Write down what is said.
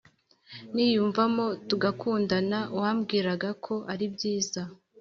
niyumvamo tugakundana wambwiraga ko aribyiza